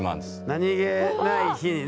何気ない日にね。